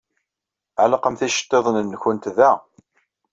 Ɛellqemt iceḍḍiḍen-nwent da.